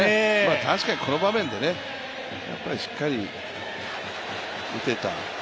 確かにこの場面でしっかり打てた。